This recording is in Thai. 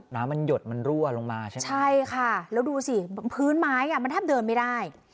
น้ำมันหยดมันรั่วลงมาใช่ไหมใช่ค่ะแล้วดูสิพื้นไม้อ่ะมันแทบเดินไม่ได้